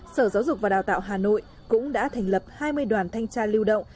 sở giáo dục và đào tạo hà nội cũng đã thành lập hai mươi đoàn thanh tra lưu động